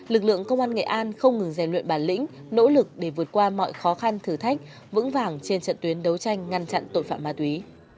lực lượng công an nghệ an không ngừng rèn luyện bản lĩnh nỗ lực để vượt qua mọi khó khăn thử thách vững vàng trên trận tuyến đấu tranh ngăn chặn tội phạm ma túy